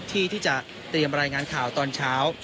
ที่จะเตรียมรายงานข่าวตอนเช้า